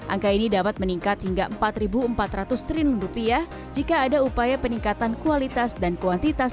angka ini dapat meningkat hingga rp empat empat ratus jika ada upaya peningkatan kualitas dan kuantitas talenta di dunia